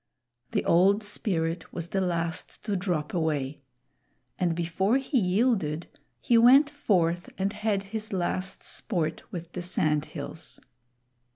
The Old Spirit was the last to drop away; and before he yielded, he went forth and had his last sport with the sand hills.